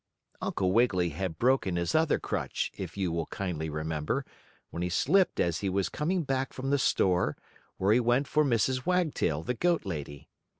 Uncle Wiggily had broken his other crutch, if you will kindly remember, when he slipped as he was coming back from the store, where he went for Mrs. Wagtail, the goat lady.